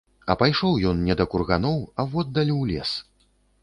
А пайшоў ён не да курганоў, а воддаль у лес.